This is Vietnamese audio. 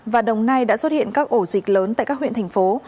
và đồng nai đã xuất hiện các ổ dịch lớn tại các huyện thành phố